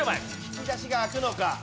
引き出しが開くのか？